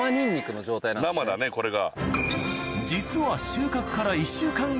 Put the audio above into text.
生だねこれが。